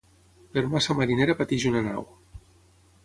Per massa marinera pateix una nau.